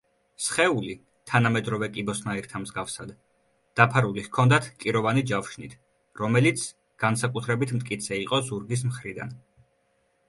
სხეული, თანამედროვე კიბოსნაირთა მსგავსად, დაფარული ჰქონდათ კიროვანი ჯავშნით, რომელიც განსაკუთრებით მტკიცე იყო ზურგის მხრიდან.